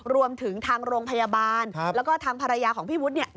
รวมถึงทางโรงพยาบาลแล้วก็ทางภรรยาของพี่วุฒิเนี่ย